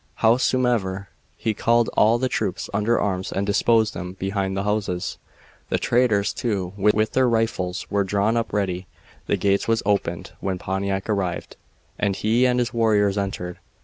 Howsumever, he called all the troops under arms and disposed 'em behind the houses. The traders, too, with their rifles, were drawn up ready. The gates was opened when Pontiac arrived, and he and his warriors entered.